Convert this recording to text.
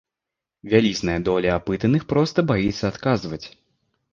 Вялізная доля апытаных проста баіцца адказваць.